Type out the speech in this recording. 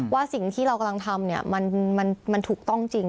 ว่าสิ่งที่เรากำลังทำมันถูกต้องจริง